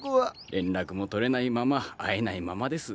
連絡も取れないまま会えないままです。